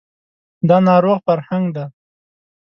دا ناروغ فرهنګ دی